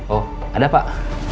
oh ada pak